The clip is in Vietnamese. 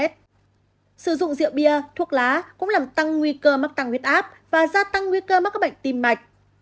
sử dụng rượu bia thuốc lá cũng làm tăng nguy cơ mắc tăng huyết áp và gia tăng nguy cơ mắc các bệnh tim mạch